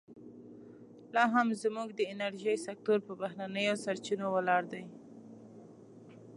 لا هم زموږ د انرژۍ سکتور پر بهرنیو سرچینو ولاړ دی.